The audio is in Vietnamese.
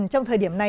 trong thời điểm này